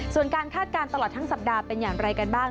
ส่วนการคาดการณ์ตลอดทั้งสัปดาห์เป็นอย่างไรกันบ้าง